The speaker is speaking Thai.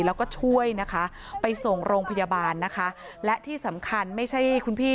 แล้วก็ช่วยนะคะไปส่งโรงพยาบาลนะคะและที่สำคัญไม่ใช่คุณพี่